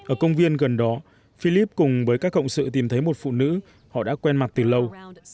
ở công viên gần đó philip cùng với các cộng sự tìm thấy một phụ nữ họ đã quen mặt từ lâu